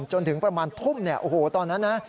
จนถึงประมาณทุ่มเนี่ยโอ้โหตอนนั้นนะ